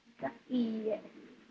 いいえ。